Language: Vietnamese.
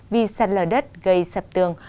vì sạt lở đất gây sập tường